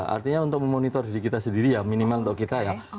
artinya untuk memonitor diri kita sendiri ya minimal untuk kita ya